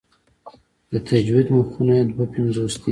د تجوید مخونه یې دوه پنځوس دي.